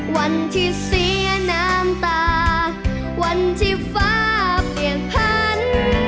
วันที่เสียน้ำตาวันที่ฟ้าเปียกพันธุ์